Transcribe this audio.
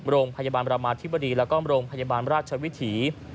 โรงพยาบาลประมาธิบดีแล้วก็โรงพยาบาลราชวิถี